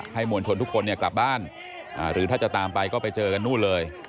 มวลชนทุกคนเนี่ยกลับบ้านหรือถ้าจะตามไปก็ไปเจอกันนู่นเลย